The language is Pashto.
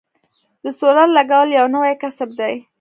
د سولر لګول یو نوی کسب دی